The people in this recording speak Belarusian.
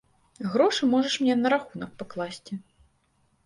Грошы можаш мне на рахунак пакласці.